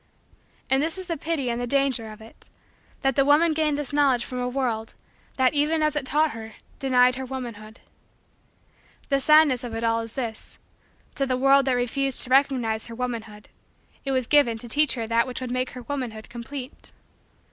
And this is the pity and the danger of it: that the woman gained this knowledge from a world, that, even as it taught her, denied her womanhood. The sadness of it all is this: to the world that refused to recognize her womanhood, it was given to teach her that which would make her womanhood complete.